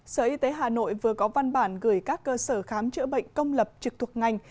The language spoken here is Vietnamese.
sở y tế hà nội vừa có văn bản gửi các cơ sở khám chữa bệnh công lập trực thuộc ngành